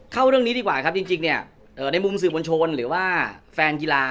เข้าเรื่องนี้ดีกว่าครับจริงเนี่ยในมุมสื่อมวลชนหรือว่าแฟนกีฬา